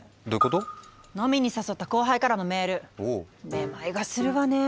めまいがするわねえ。